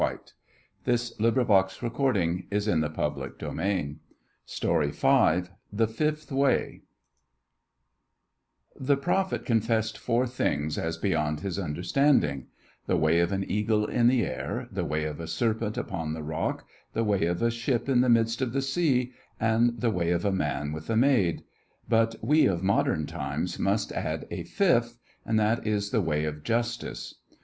In his left eye appeared a faint glimmer. Then the left eyelid slowly descended. V THE FIFTH WAY The prophet confessed four things as beyond his understanding the way of an eagle in the air, the way of a serpent upon the rock, the way of a ship in the midst of the sea, and the way of a man with a maid but we of modern times must add a fifth, and that is the way of justice.